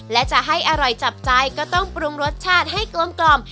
และจะให้อร่อยจับใจก็ต้องปรุงรสชาติให้กลม